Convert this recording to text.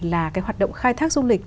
là cái hoạt động khai thác du lịch